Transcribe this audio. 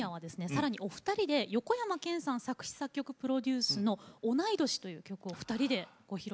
さらにお二人で横山剣さん作詞作曲プロデュースの「おないどし」という曲を二人でご披露頂けるという。